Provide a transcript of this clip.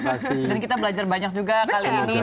dan kita belajar banyak juga kali ini